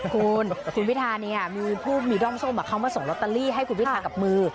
คุณคุณวิทยานี้มีด้อมส้มเข้ามาส่งลอตเตอรี่ให้คุณวิทยากับมือ